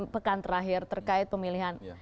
pekan terakhir terkait pemilihan